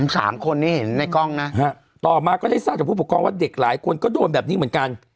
สามคนนี่เห็นในกล้องนะต่อมาก็ได้ทราบจากผู้ปกครองว่าเด็กหลายคนก็โดนแบบนี้เหมือนกัน